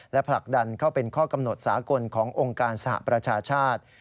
และผลักดันเข้าเป็นข้อกำหนดสากลขององค์การสหประชาชาติ